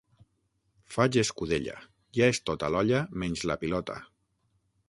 Faig escudella: ja és tot a l'olla menys la pilota.